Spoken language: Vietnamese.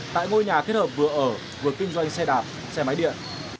tại ngôi nhà kết hợp vừa ở vừa kinh doanh xe đạp xe máy điện